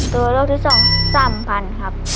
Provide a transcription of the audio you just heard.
ตัวลกที่สอง๓๐๐๐บาทครับ